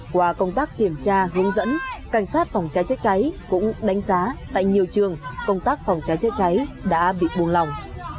qua công tác kiểm tra hướng dẫn cảnh sát phòng cháy cháy cháy cũng đánh giá tại nhiều trường công tác phòng cháy cháy cháy đã bị buồn lòng